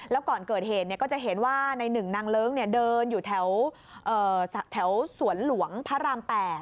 แล้วก่อนเกิดเหตุก็จะเห็นว่าในหนึ่งนางเลิ้งเดินอยู่แถวสวนหลวงพระราม๘